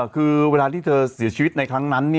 คือเวลาที่เธอเสียชีวิตในครั้งนั้น